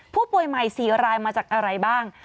ผู้ป่วยใหม่๔รายมาจากอะไรบ้าง